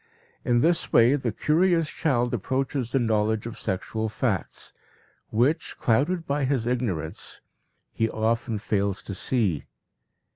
In this way the curious child approaches the knowledge of sexual facts, which, clouded by his ignorance, he often fails to see.